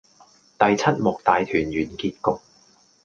第七幕大團圓結局